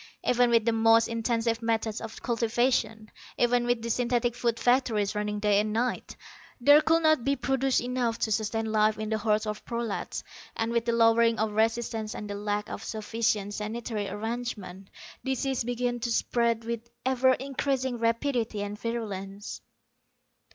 Even with the most intensive methods of cultivation, even with the synthetic food factories running day and night, there could not be produced enough to sustain life in the hordes of prolats. And with the lowering of resistance and the lack of sufficient sanitary arrangements, disease began to spread with ever increasing rapidity and virulence.